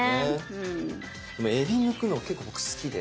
でもえびむくの結構僕好きで。